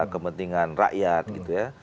kepentingan rakyat gitu ya